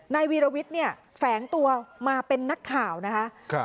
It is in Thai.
วีรวิทย์เนี่ยแฝงตัวมาเป็นนักข่าวนะคะ